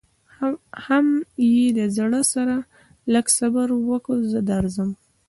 حم ای د زړه سره لږ صبر وکه درځم.